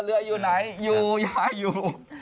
เรืออยู่ไหนอยู่อย่าอยู่